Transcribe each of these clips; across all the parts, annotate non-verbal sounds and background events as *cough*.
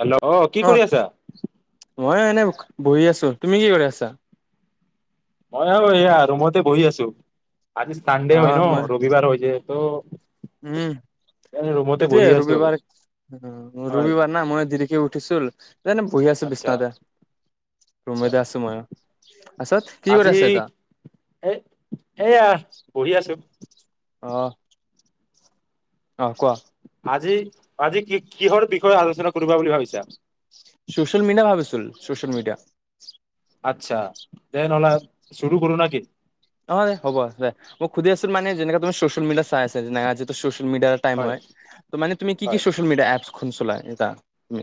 Hello. অ' কি কৰি আছা? ময়ো এনে বহি আছো। তুমি কি কৰি আছা? মই আৰু এইয়া ৰুমতে বহি আছো। আজি চানডে হয়। আহ মই ৰবিবাৰ হৈ যে ত'। উম, এনে ৰুমতে বহি এইটোৱেই আছো আৰু ৰবিবাৰ। অ' হয় ৰবিবাৰ না মই দেৰিকে উঠিছো। এই এনে বহি আছো আচ্ছা বিচনাততে। আচ্ছা ৰূমতে আছো মই পাছত কি কৰি আজি আছ এতা এ এয়া বহি আছো। অ'। অ', কোৱা। আজি, আজি কি কিহৰ বিষয়ে আলোচনা কৰিবা বুলি ভাবিছা? ছ'চিয়েল মিডিয়া ভাবিছোল, ছ'চিয়েল মিডিয়া। আচ্ছা দে নহ'লে, চুৰু কৰো না কি? অ' হ'ব দে, মোক সুধি আছিল মানে যেনেকা তুমি ছচিয়েল মিডিয়া চায় আছে *unintelligible* ছচিয়েল মিডিয়া টাইম হয়। মানে তুমি কি কি হয় ছছিয়েল মিডিয়া এপ চলা তুমি?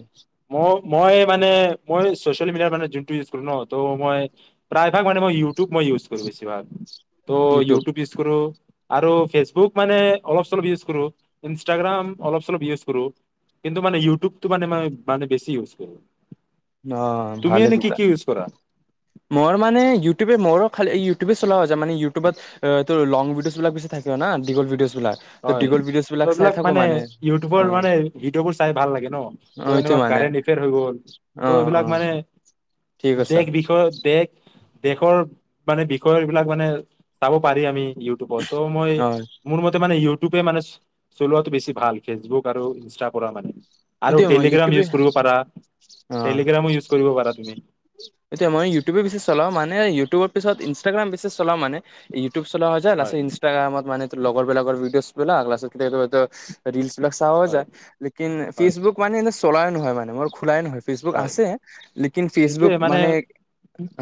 মই মই মানে মই চচিয়েল মিডিয়াৰ মানে যোনটো ইউজ কৰোঁ ন ত' মই। প্ৰায় ভাগ মানে মই ইউটিউব মই ইউজ কৰো বেছিভাগ। ত' ইউটিউব ই আৰু ফেচবুক মানে অলপ চলপ ইউজ কৰো। ইনষ্টাগ্ৰাম অলপ চলপ ইউজ কৰো। কিন্তু মানে ইউটিউবটো মানে ম মানে বেছি ইউজ কৰো। অ তুমি ভালে এনে ত কি কি ইউজ কৰা? মোৰ মানে ইউটিউবে মোৰো খালী ইউটিউবে চলোৱা হৈ যায়। মানে ইউটিউবত তোৰ লংগ ভিডিওজবিলাক বেছি *unintelligible* দীঘল ভিডিওজ বিলাক ত হয়। দীঘল ভিডিঅ'জ ত' বিলাক চাই এইবিলাক থাকো মানে ইউটিউবৰ অ মানে ভিডিঅ'বোৰ চাই ভাল লাগে ন। অ এইটো ত'এনেকুৱা মানে কাৰে হৈ গ'ল। অ ত' অ এইবিলাক মানে ঠিক কৈছা দেশ বিষয়ত দেশ দেশৰ মানে বিষয় এই বিলাক মানে চাব পাৰি আমি ইউটিউবত। ত' মই অ মোৰ মতে মানে ইউটিউবে মানে চলোৱাটো বেছি ভাল। ফেচবুক আৰু ইনষ্টাৰ পৰা মানে আৰু এতিয়া মই টেলিগ্ৰাম ইউটিউবে ইউজ কৰিব পাৰা। অ টেলিগ্ৰামো ইউজ কৰিব পাৰা তুমি? এতিয়া মই ইউটিউবে বেচি চলাওঁ। মানে ইউটিউবৰ পিছত ইনষ্টাগ্ৰাম বেছি চলাওঁ মানে ইউটিউব চলোৱা হয় যে লাষ্টত ইনষ্টাগ্ৰামত মানে তোৰ মানে লগৰ বিলাকৰ ভিডিওজ বিলাক *unintelligible* ৰিলচ বিলাক চাৱা হয় যায়, লেকিন হয় ফেচবুক মানে এনে *unintelligible* মোৰ খোলায়ে নহয়। ফেচবুক হয় আছে লেকিন ফেচবুক মানে।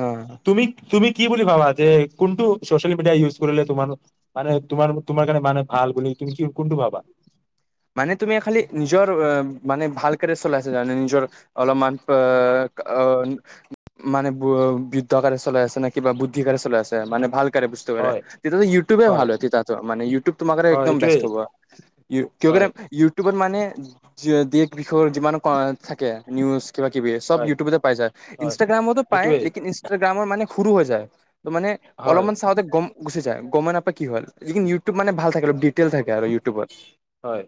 অ'। তুমি তুমি কি বুলি ভাবা যে কোনটো ছচিয়েল মিডিয়া ইউজ কৰিলে তোমাৰ মানে তোমাৰ তোমাৰ কাৰণে মানে ভাল বুলি তুমি কি কোনটো ভাবা? মানে তুমি খালি নিজৰ মানে ভাল *unintelligible* চলাই আছে কাৰণে নিজৰ অলপমান *unintelligible* মানে বৃদ্ধকাৰে চলাই আছে না কিবা বুদ্ধিকাৰে চলাই আছে মানে ভাল *unintelligible* হয় তেতিয়াহ'লে ইউটিউবে ভাল হয় তেতিয়াটো মানে ইউটিউব তোমাৰ হয় কাৰণে এইটোৱে বেষ্ট হ'ব। কিয় কৰে হয় ইউটিউবত মানে দেশ বিষয়ৰ যিমান থাকে নিউজ। কিবা কিবি চব হয় ইউটিউবতে পায় যায়। হয় ইনষ্টাগ্ৰামতো পায় এইটোৱে লেকিন ইনষ্টাগ্ৰাম মাৰ মানে সৰু হৈ যায়। ত' মানে হয় অলপমান চাওঁতে গম গুচি যায়, গমে নাপায় কি হ'ল। লেকিন ইউটিউব মানে ভাল থাকে, অলপ দিটেইল আৰু ইউটিউবত। হয়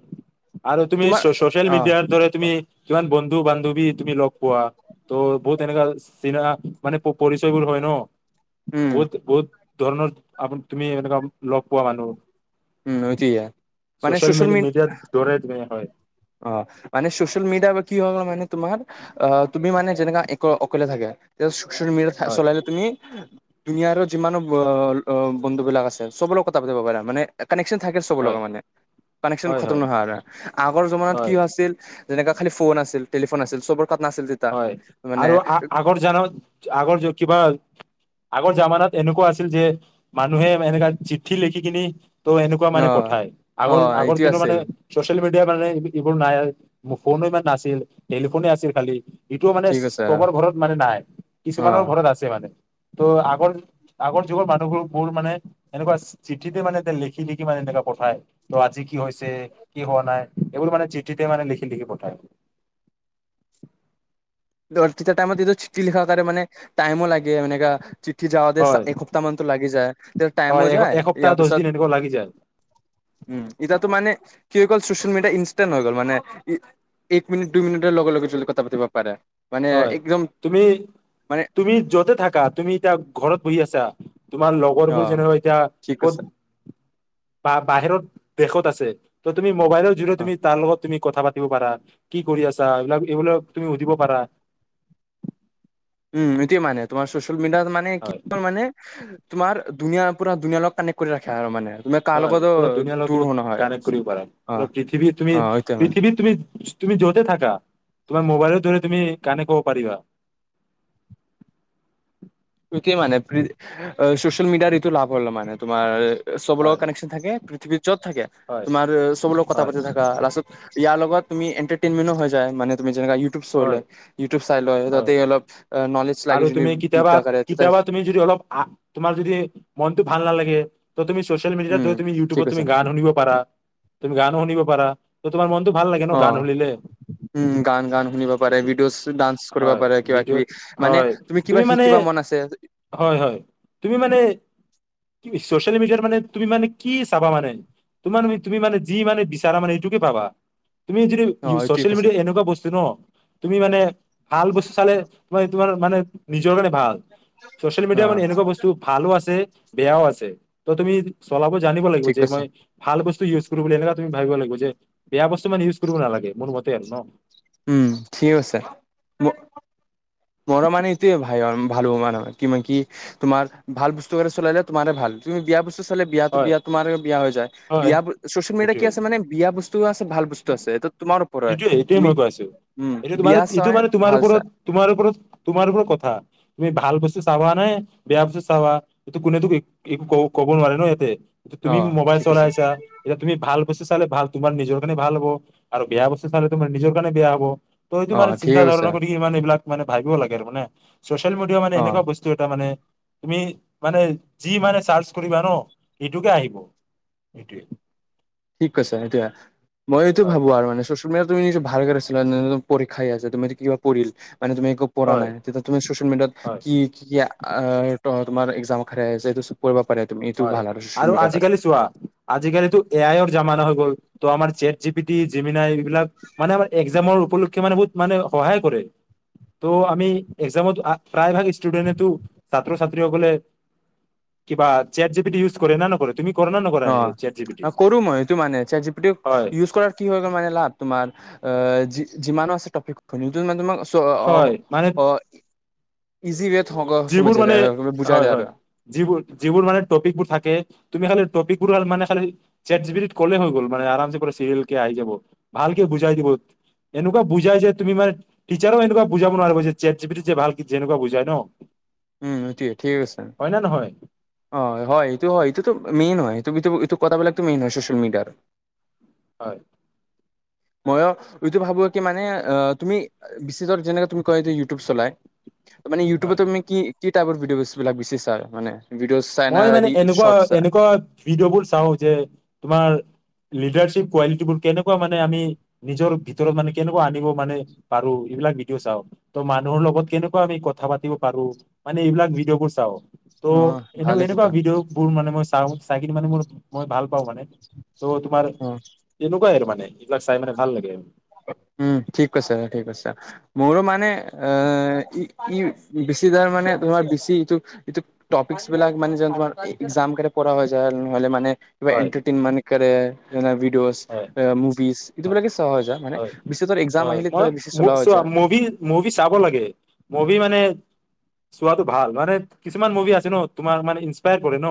আৰু তুমি তোমাৰ ছচিয়েল অ মিডিয়াৰ দৰে তুমি কিমান বন্ধু বান্ধৱী তুমি লগ পোৱা। ত' বহুত এনেকা চিনা মানে পৰিচয়বোৰ হয় ন'। উম। বহুত ধৰণৰ *unintelligible* লগ পোৱা মানুহ উম' নৈতিআ ছ'চিয়েল মিডিয়াত দোৰে দোৰে হয়। অ' মানে ছ'চিয়েল মিডিয়া বা কি হ'ব মানে তোমাৰ আহ তুমি মানে যেনেকা এক অকলে থাকে ত ছ'চিয়েল মিডিয়া হয় চলাই তুমি দুুনিয়াৰ যিমানো অ', অ' বন্ধু বিলাক আছে চবৰ লগত কথা পাতিব পাৰা মানে কানেকশ্যন থাকে চব হয় লগাত মানে কানেকশ্যন হয় হয় খতম নহয় আৰু আগৰ জমনাত কি হয় হৈছিল যেনেকা খালি ফোন আছিল টেলিফোন আছিল চবৰে তাত নাছিল। তেতিয়া হয় মানে আৰু আ, আগৰ জনমত আগৰ য কিবা আগৰ জামানাত এনেকুৱা আছিল যে মানুহে এনেকা চিঠি লিখি কেনি ত' এনেকুৱা অ মানে পঠায় অ আগৰ আগৰ এইটো দিনৰ মানে আছিল ছ'চিয়েল মিডিয়া মানে এইবোৰ নাই ফোনো ইমান নাছিল টেলিফোনে আছিল খালি। এইটো মানে ঠিক আছে চবৰ ঘৰত মানে নাই অ কিছুমানৰ ঘৰত আছে মানে ত' আগৰ আগৰ যুগৰ মানুহবোৰবোৰ মানে এনেকুৱা চিঠিতে মানে লিখি লিখি মানে এনেকুৱা পঠায়। ত, আজি কি হৈছে কি হোৱা নাই এইবোৰ মানে চিঠিতে মানে লিখি লিখি পঠায়। তেইটামত এই চিঠি লিখাও ত মানে টাইমও লাগে এনেকা চিঠি যাৱা হয় এসপ্তাহ মানতটো লাগি যায় তেতি টাইমো হয় যায় এসপ্তাহ ইয়াৰ দহ পিছত দিন এনেকুৱা লাগি যায় উম, এতাতো মান কি হৈ গ'ল ছ'চিয়েল মিডিয়া ইনষ্টান হৈ গ'ল মানে এক মিনিট দুই মিনিটৰ লগে লগে যদি কথা পাতি পাৰা হয় তুমি মানে তুমি যতে থাকা তুমি এতিয়া ঘৰত বহি আছা তোমাৰ অ লগৰবোৰ যেনেৰোৱা এতিয়া ঠিক ক'ত আছে বা বাহিৰত দেশত আছে। ত, তুমি মোবাইলৰ যোৰিয়তে অ তুমি তাৰ লগত তুমি কথা পাতিব পাৰা। কি কৰি আছা এইবিলাক এইবিলাক তুমি সুধিব পাৰা। উম, এটোয় মানে তোমাৰ ছ'চিয়েল মিডিয়াত মানে কি হয় হ'ল মানে তোমাৰ দুনীয়া পুৰা দুনীয়া লগত কানেক্ট কৰি ৰাখে আৰু মানে তুমি কাৰ হয় লগতো পুৰা দুনীয়াাৰ লগত দূৰ তুমি নহয় কানেক্ট কৰিব পাৰা অ পৃথিৱীত তুমি অ এইটোৱে মানে পৃথিৱীত তুমি তুমি য'তে থাকা তোমাৰ মোবাইলৰ দৰে তুমি কানেক্ট পাৰিবা। সতোয়ে মানে ছ'চিয়েল মিডিয়াৰ এইটো লাভ হল মানে তোমাৰ আ, অ, চবৰ লগত হয় কানেকচন থাকে পৃথিৱীৰ য'ত থাকে হয় তোমাৰ চবৰ লগ কথা পা হয় থাকা লাচত'ত ইয়াৰ লগত তুমি এণ্টাৰটেইমেন্ট হৈ যায় মানে যেনেকা ইউ ইউটিউব হয় চলে, ইউটিউব চাই লই তাতে হয় অলপ নলেজ লাগে আৰু যদি তুমি বি কেতিয়াবা কেতিয়াবা তুমি যদি অলপ আহ তোমাৰ যদি মনটো ভাল নালাগে তুমি ছ'চিয়েল মিডিয়াত উম ধৰা ঠিক ইউটিউবত আছে তুমি গান শুনিব পাৰা, তুমি গান শুনিব পাৰা ত' তোমাৰ মনতো ভাল লাগে ন অ গান শুনিলে উম' গান, গান শুনিব পাৰে ভিডিঅ' ডান্স কৰিব হয় পাৰে কিবা ভিডিঅ'ত কিবি মানে হয় তুমি কিবা মানে শিকিবা মন আছে হয়, হয় তুমি মানে ছ'চিয়েল মিডিয়াত মানে তুমি মানে কি চাবা মানে? তোমাৰ মানে তুমি মানে যি মানে বিচাৰা মানে এইটোকে পাবা। তুমি যদি অ এইটোৱে ছ'চিয়েল কৈছে মিডিয়া এনেকুৱা বস্তু ন তুমি মানে ভাল বস্তু চালে মই তোমাৰ মানে নিজৰ কাৰণে ভাল ছ'চিয়েল অ মিডিয়া মানে এনেকুৱা বস্তু তো ভালো আছে বেয়াও আছে ত তুমি চলাব জানিব লাগিব ঠিক যে কৈছে মই ভাল বস্তু ইউজ কৰিবলৈ এনেকুৱা তুমি ভাবিব লাগিব যে বেয়া বস্তু মানে ইউজ কৰিব নালাগে মোৰ মতে আৰু ন উম' থঠক আছে ও' মৰো মানে এইটোৱে ভাল ভালো মানহ কি মাই কি তোমাৰ ভাল বস্তু এটা চলালে তোমাৰে ভাল তুমি বেয়া বস্তু বিয়াতো হয় বিয়া তোমাৰ বিয়া হৈ যায়। হয় বিয়া চচিয়েল মিডিয়া সেইটোৱে কি আছে মানে বিয়া বস্তুও আছে ভাল বস্তু আছে এইটো তোমাৰ ওপৰত হয়। এইটোয়ে এইটোয়ে তুমি মই কৈ আছো উম এইটো তোমাৰ বিয়া এইটো চাই মানে তোমাৰ ভাল চাই। ওপৰত তোমাৰ ওপৰত তোমাৰ ওপৰত কথা তুমি ভাল বস্তু চাবা নে বেয়া বস্তু চাবা। কোনে তোক একো ক ক'ব নোৱাৰে ন ইয়াতে অ তুমি মোবাইল ঠিক আছে চলাইছা। এতিয়া তুমি ভাল বস্তু চালে ভাল তোমাৰ নিজৰ কাৰণে ভাল হ'ব। আৰু বেয়া বস্তু চালে তোমাৰ নিজৰ কাৰণে বেয়া হ'ব। ত' এইটো অ মানে ঠিকে চিন্তা কৈছা ধাৰণা কৰি কি মানে এইবিলাক মানে ভাবিব লাগে মানে ছচিয়েল মিডিয়া মানে অ এনেকুৱা বস্তু এইটো এটা মানে তুমি মানে যি মানে চাৰ্চ কৰিবা ন সেইটোকে আহিব। সেইটোৱেই। ঠিক কৈছে সেইটোৱে। মই এইটো হয় ভাবো আৰু মানে ছ তুমি নিজ ভাল কৰি আছিলা পৰীক্ষাই আছে তুমি য কিবা পৰি মানে তুমি পঢ়া হয় নাই তেতিয়া তুমি চচিয়েল মিডিয়াত হয় কি, কি তোমাৰ একজামখাৰ আছে এইটো কৰিব পাৰে তুমি এইটো হয় ভাল আৰু চিয়েল মিডিয়া আজিকালি কাৰণে। চোৱা আজিকালিতো এ আই অৰ জামানা হৈ গ'ল তো আৰ set G P T Gemini AI বিলাক মানে আমাৰ একজামৰ উপলক্ষে মানে বহুত মানে সহায় কৰে। ত' আমি একজামত প্ৰায় ভাগ ষ্টুডেন্টেতো ছাত্ৰ ছাত্ৰীসকলে কিবা chat G P T use কৰে না নকৰে তুমি? কৰা না নকৰা চেট জি পি টি অঁ, কৰোঁ মই সেইটো মানে জেট জি পি টি হয় ইউজ কৰাৰ কি হয়গৈ মানে না তোমাৰ আ যিমান আছে টপি *inaudible* হয় মানে ইজি ৱেত যিবোৰ সমজ মানে বুজাই হয় যায় হয় আৰু যিবোৰ, যিবোৰ মানে টপিকবোৰ থাকে তুমি খালি টপিকবোৰৰ মানে খালি জেট জি পি টিত ক'লে হৈ গ'ল মানে আৰাম চিৰিয়েল কে আহি যাব ভালকে বুজাই দিব। এনেকুৱা বুজাই যে তুমি মানে টিচাৰেও এনেকুৱা বুজাব নোৱাৰিব যে জেট জি পি টিত যে ভাল কি যেনেকুৱা বুজাই ন। উম, এইটোৱে, ঠিকে কৈছা। হয়নে নহয়? হয় হয় এইটো হয় এইটোতো মেইন হয়। এই কথাবিলাকতো মেইন হয় ছ'চিয়েল মিডিয়াৰ। হয়। মইয়ো এইটো ভাবো কি মানে অ' তুমি বিচ্ছেদৰ যেনেকে তুমি কয় ইউটিউব চলাই। মানে হয় ইউটিউবত তুমি কি, কি টাইপৰ ভিডিঅ' বিলাক বিচিছা মানে ভিডিঅ' মই মানে এনেকুৱা, এনেকুৱা ভিডিঅ' বোৰ চাওঁ যে তোমাৰ লিডাৰশ্বিপ কোৱালিটিবোৰ কেনেকুৱা মানে আমি নিজৰ ভিতৰত মানে কেনেকুৱা আনিব মানে পাৰোঁ এইবিলাক ভিডিঅ' চাওঁ। ত' মানুহৰ লগত কেনেকুৱা আমি কথা পাতিব পাৰোঁ মানে এইবিলাক ভিডিঅ'বোৰ চাওঁ অ ত' এনে ভালে এনেকুৱা তেতিয়া ভি ডিঅ মানে মই চাওঁ,। চাই কি মানে মোৰ মই ভাল পাওঁ মানে। ত' তোমাৰ অ তেনেকুৱাই আৰু মানে এই বিলাক চাই মানে ভাল লাগে। উম। ঠিক কৈছে, ঠিক কৈছে। মোৰো মানে এ ই, ই বেছি দাৰ মানে তোমাৰ বেছি ইটো, ইটো টপিকচ বিলাক মানে যে তোমাৰ একজাম কাৰনে পঢ়া হৈ যায় হ'লে মানে হয় হয় *inaudible* হয় এইটোবিলাকে চোৱা হৈ যা মানে হয় বেছি একজাম আহিলে হয় ত' বেছি মই চলোৱা হৈ চোৱা যায়‌। মুভি মুভি চাব লাগে। মুভি মানে চোৱাটো ভাল। মানে কিছুমান মুভি আছে ন তোমাৰ মানে ইন্সপায়াৰ কৰে ন।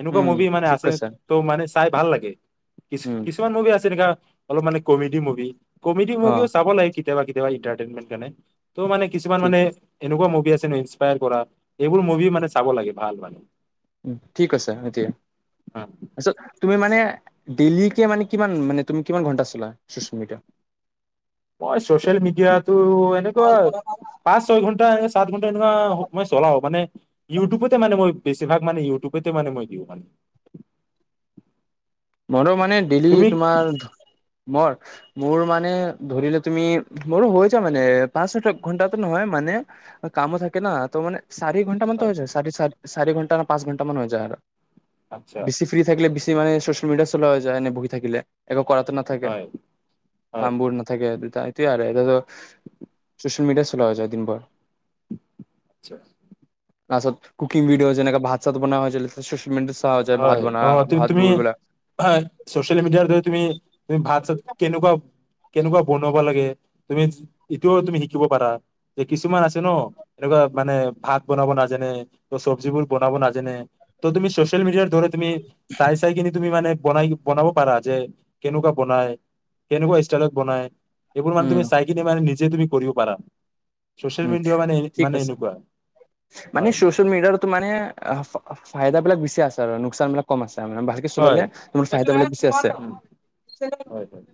এনেকুৱা উম মুভি মানে ঠিক আছে কৈছা ত' মানে চাই ভাল লাগে। কি- উম ছুমান মুভি আছে এনকা অলপ মানে কমেডি মুভি কমেডি অ মুভিও চাব লাগে। কেতিয়াবা, কেতিয়াবা ইন্টাৰটেনমেন্ট মানে। ত' মানে কিছুমান ঠিক মানে- এনেকুৱা মুভি আছে ন ইন্সপায়াৰ কৰা এইবোৰ মুভি মানে চাব লাগে ভাল মানে। উ ঠিক আছে এতিয়া। উম, আচ্ছা তুমি মানে ডেইলিকে মানে কিমান মানে তুমি কিমান ঘণ্টা চলা ছ'চিয়েল মিডিয়া? মই ছ'চিয়েল মিডিয়াতো এনেকুৱা পাঁচ ছয় ঘন্টা- সাত ঘণ্টা এনেকুৱা মই চলাও। মানে- ইউটিউবতে মানে মই বেছিভাগ মানে ইউটিউবতে মানে মই দিওঁ মানে। মোৰো মানে ডেইলি তুমি তোমাৰ মৰ- মোৰ মানে ধৰিলে তুমি, মোৰো হৈ যায় মানে পাঁচ ছ ঘন্টাটো নহয় মানে, কামো থাকে না ত মানে চাৰি ঘণ- টা মানটো হয় হৈ যায়। চাৰি চা চাৰি ঘণ্টা, পাঁচ ঘন্টা মান হৈ যায় আৰু। আচ্ছা বেছি- ফ্ৰী থাকিলে বেছি মানে চ'চিয়েল মিডিয়া চলা হৈ যায় এনে বহি থাকিলে। একো কৰাটো নাথাকে। হয় হয় কামবোৰ ন- থাকে দুটা। এইটোৱে আৰু এটাতো চ'চিয়েল মিডিয়া চলোৱা হৈ যায় দিন ভৰ। আটচা। তাৰপাছত কুকিং ভিডি'অ যেনেকে ভাত চাত বনোৱা হৈ যে চোচিয়েল মিডিয়াত চাওঁ যায় ভাত বনোৱা ভাত গুৰ বিলাক। হয়। চোচিয়েল মিডিয়াৰ দ্বাৰা তুমি, তুমি ভাত-চাত কেনেকুৱা- কেনেকুৱা বনাবা লাগে? তুমি এতিয়াও তুমি শিকিব পাৰা। যে কিছুমান আছে ন। এনেকুৱা মানে ভাত বনাব নাজানে, ত চব্জিবোৰ বনাব নাজানে, ত তুমি চ- চিয়েল মিডিয়াত ধৰা তুমি চাই চাই কিনে তুমি মানে বনাই- বনাব পাৰা যে কেনেকুৱা বনাই, কেনেকুৱা ষ্টাইলত বনাই? এইবোৰ মানে উম তুমি চাইকিনে মানে নিজে তুমি কৰিবও পাৰা। ছচিয়েল উম মিডিয়া মানে ঠিক মানে আছে। এনেকুৱা মানে হয় ছচিয়েল মিডিয়াৰ- মানে ফাইদাবিলাক বেছি আছে আৰু লোকচান বিলাক কম আছে মানে। পিছলে হয় দিলে, তোমাৰ চাইদলে বেছি আছে। উম, হয় হয়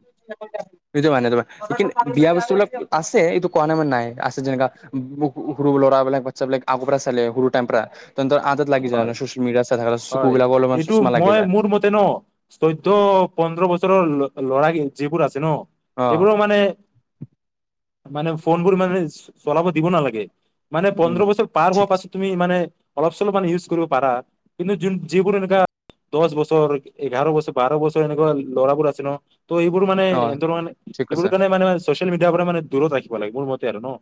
সেইটো মানে তোমাৰ। লেকীন বিয়া বস্তুবিলাক আছে, এইটো কোৱা নাই মানে নাই। আছে যেনেকা, বহু সৰু ল'ৰাবিলাক, বাটচা বিলাক আগৰ পৰা চালে, সৰু টাইম পৰা। তেন্তে আঁদত লাগি যায় হয় মানে, চচিয়েল মেডিয়া চাই থাকোঁতে, চকুবিলাকৰ অলপমান চষ্মা লাগি যায়। আছে ন? চৈধ্য, পোন্ধৰ বছৰৰ ল ল'ৰা যিবোৰ আছে ন- অ এইবোৰ মানে, মানে ফোনবোৰ মানে চ-চলাব দিব নালাগে। মানে উম পোন্ধৰ বছৰ পাৰ ঠিক হোৱাৰ আছে পাছত, তুমি মানে- টো মানে ইউজ কৰিব পাৰা কিন্তু, যোন যিবোৰ এনেকুৱা- দশ বছৰ, এঘাৰ বছৰ, বাৰ বছৰ এনেকুৱা ল'ৰাবোৰ আছে ন- তো এইবোৰ মানে, অ এহেতৰ মানে ঠিক আছে এইবোৰ কাৰণে মানে চচিয়েল মিডিয়াৰ পৰা মানে দূৰত ৰাখিব লাগে। মোৰ মতে আৰু ন?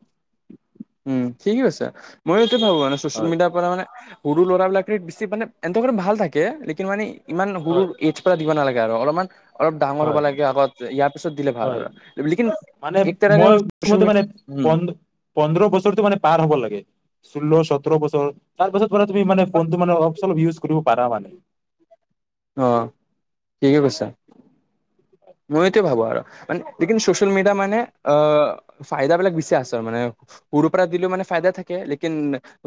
উম ঠিকে কৈছা, মই এইটো ভাবোঁ মানে, চচিয়েল হয় মিডিয়াৰ পৰা মানে- সৰু ল'ৰাবিলাকে বেছি মানে, এনেকেটো ভাল থাকে, লেকিন মানে ইমান সৰুৰ হয় এজ- জত দিব নালাগে আৰু অলপমান অলপ ডাঙৰ হ'ব হয় লাগে আগত, ইয়াৰ পিছত দিলে ভাল হয় আৰু। লেকিন- মানে মই মোৰ মতে মানে এক পন *unintelligible* পোন্ধৰ বছৰটো মানে পাৰ হ'ব লাগে। ষোল্ল, সোতৰ বছৰ- তাৰ পাছৰ পৰা তুমি মানে, ফোনতটো মানে অলপ চলপ ইউজ কৰিব পাৰা মানে। অ', ঠিকে কৈছা। মই এইটোৱে ভাবোঁ আৰু। মানে লেকিন চচিয়েল মিডিয়া মানে আ- ফাইদা বিলাক বেছি আছে মানে। সৰুৰ পৰা দিলেও মানে ফাইদা থাকে, লেকিন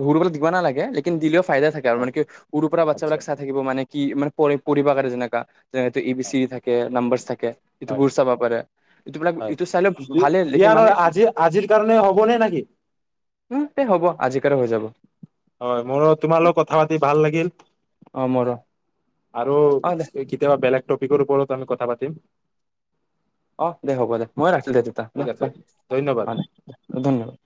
সৰু পৰা দিব নালাগে। লেকিন দিলেও ফাইদা থাকে। তাৰমানে হয় কি সৰু পৰা আচ্ছা বাচ্ছাবিলাক চাই থাকিব, মানে কি মানে পঢ়িবা কাৰে যেনেকা, এটো এ, বি, চি থাকে, নাম্বাৰছ থাকে সেটো হয় বোৰ চাব পাৰে। এইটোবিলাক হয়, এইটো চালেও দি ভালে লেকিন দিয়া মানে নহয় আজি, আজিৰ কাৰণে হ'বনে না কি? উম, তে হ'ব আজি কাৰে হৈ যাব। হয়, মোৰো তোমাৰ লগ কথা পাতি ভাল লাগিল। অ মোৰো আৰু অ দে কেতিয়াবা বেলেগ টপিকৰ ওপৰত আমি কথা পাতিম। অ' দে হ'ব দে মই ৰাখিলো দে দুটা দে ঠিক আছে দে ধন্যবাদ। অ দে 'ধন্যবাদ।